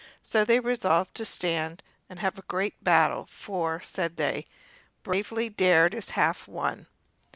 So they resolved to stand and have a great battle; for, said they, "Bravely dared is half won!"